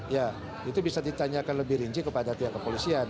ya itu bisa ditanyakan lebih rinci kepada pihak kepolisian